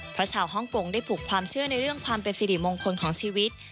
เพราะชาวฮ่องกงได้ผูกความเชื่อในเรื่องความเป็นสิริมงคลของชีวิต